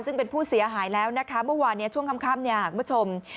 ซึ่งเป็นผู้เสียหายแล้วนะคะเมื่อวานนี้ช่วงค่ำเนี่ยคุณผู้ชม